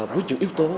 với những yếu tố